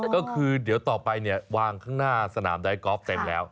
ก็คือเดี๋ยวต่อไปเนี่ยวางข้างหน้าสนามไดกอล์ฟเต็มแล้ว